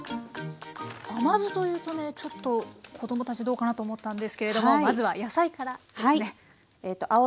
甘酢というとねちょっと子供たちどうかなと思ったんですけれどもまずは野菜からですね。